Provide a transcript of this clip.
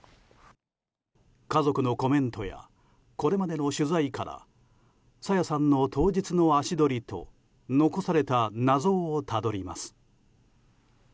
家族のコメントやこれまでの取材から朝芽さんの当日の足取りと残された謎をたどります。